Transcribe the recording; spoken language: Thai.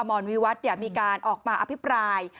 อมรวิวัตรเนี่ยมีการออกมาอภิปราย